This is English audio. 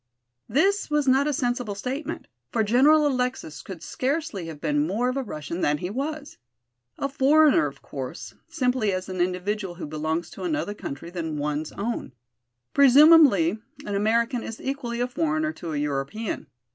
This was not a sensible statement, for General Alexis could scarcely have been more of a Russian than he was. A foreigner, of course, simply is an individual who belongs to another country than one's own. Presumably an American is equally a foreigner to a European.